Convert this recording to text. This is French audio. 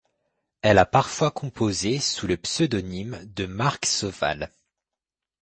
Elle a parfois composé sous le pseudonyme de Marc Sauval.